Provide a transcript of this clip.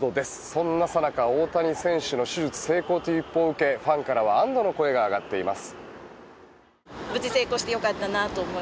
そんなさなか、大谷選手の手術成功という一報を受けファンからは安どの声が上がっています。